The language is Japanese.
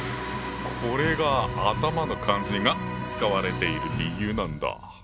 これが「頭」の漢字が使われている理由なんだ。